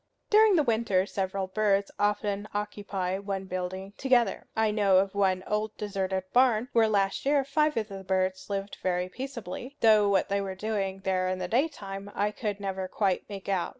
During the winter several birds often occupy one building together. I know of one old deserted barn where last year five of the birds lived very peaceably; though what they were doing there in the daytime I could never quite make out.